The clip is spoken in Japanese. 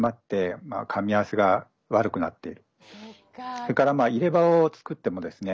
それから入れ歯を作ってもですね